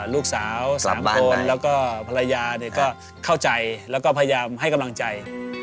ลูกสาว๓คนแล้วก็ภรรยาก็เข้าใจแล้วก็พยายามให้กำลังใจ